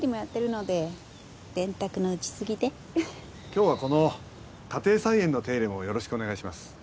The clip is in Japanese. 今日はこの家庭菜園の手入れもよろしくお願いします。